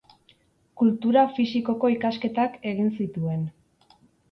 Kultura fisikoko ikasketak egin zituen.